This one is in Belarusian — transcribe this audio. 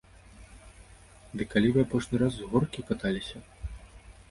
Ды калі вы апошні раз з горкі каталіся?